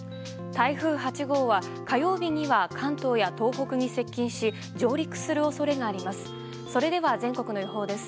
台風８号は火曜日には関東や東北に接近し上陸する恐れがあります。